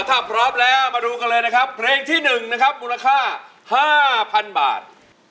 ถ้าพร้อมแล้วมาดูกันเลยนะครับเพลงที่๑นะครับมูลค่า๕๐๐๐บาท